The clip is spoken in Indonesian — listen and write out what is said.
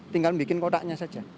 tinggal bikin kotaknya saja